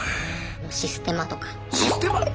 システマとか。